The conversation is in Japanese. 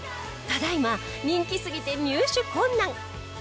ただ今人気すぎて入手困難！